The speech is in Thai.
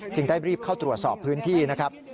ได้รีบเข้าตรวจสอบพื้นที่นะครับ